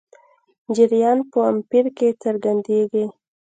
جریان په امپیر کې څرګندېږي.